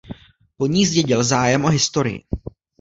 Po ní zdědil zájem o historii.